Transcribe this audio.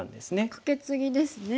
カケツギですね。